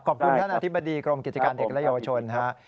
ขอบคุณท่านอธิบดีกรมกิจการเด็กและเยาวชนครับ